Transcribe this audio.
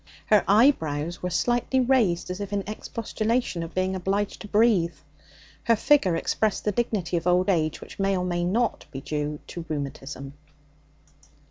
Her eyebrows were slightly raised, as if in expostulation at being obliged to breathe. Her figure expressed the dignity of old age, which may or may not be due to rheumatism.